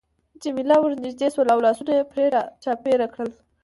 جميله ورنژدې شول او لاسونه يې پرې را چاپېره کړل.